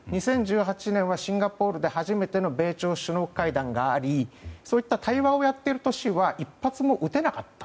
２０１８年はシンガポールで初めての米朝首脳会談がありそういった対話をやっている年は１発も撃てなかった。